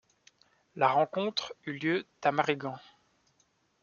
La rencontre eut lieu à Marignan.